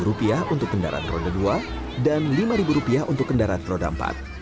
rp satu untuk kendaraan roda dua dan rp lima untuk kendaraan roda empat